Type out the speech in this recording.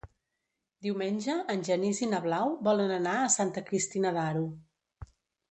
Diumenge en Genís i na Blau volen anar a Santa Cristina d'Aro.